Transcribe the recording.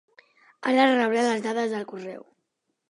Ara rebrà les dades al correu.